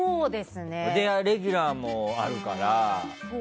レギュラーもあるから。